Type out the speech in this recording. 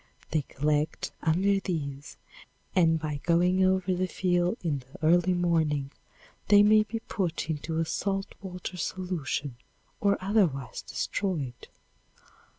They collect under these and by going over the field in the early morning they may be put into a salt water solution or otherwise destroyed.